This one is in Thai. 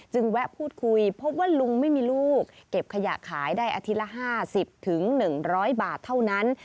แวะพูดคุยพบว่าลุงไม่มีลูกเก็บขยะขายได้อาทิตย์ละ๕๐๑๐๐บาทเท่านั้น